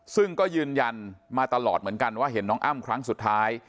ซึ่งก็ยืนยันมาตลอดเหมือนกันว่าเห็นน้องอ้ำครั้งสุดท้าย